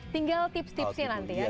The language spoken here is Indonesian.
tinggal tips tipsnya nanti ya